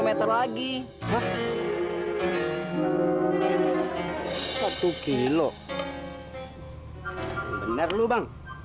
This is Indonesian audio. benar lu bang